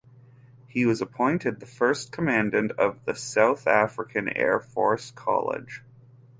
He was appointed the first Commandant of the South African Air Force College.